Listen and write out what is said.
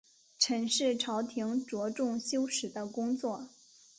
陈氏朝廷着重修史的工作。